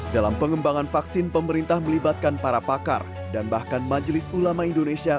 dalam pengembangan vaksin pemerintah melibatkan para pakar dan bahkan majelis ulama indonesia